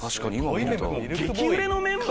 激売れのメンバー。